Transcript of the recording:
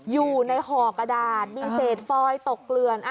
อยู่ในห่อกระดาษมีเศษฟอยตกเกลือน